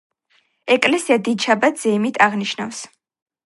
ეკლესია დიდ შაბათს ზეიმით აღნიშნავს.